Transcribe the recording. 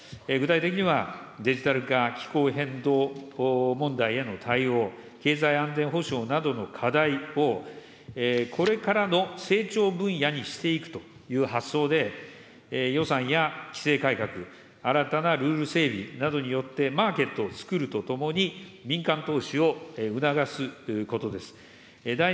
具体的にはデジタル化、気候変動問題への対応、経済安全保障などの課題をこれからの成長分野にしていくという発想で、予算や規制改革、新たなルール整備などによって、マーケットをつくるとともに、民間投資を促すことです。